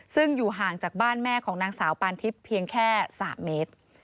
ซึ่งอยู่ห่างจากบ้านแม่ของนางสาวปานทิพย์เพียงแค่๓เมตร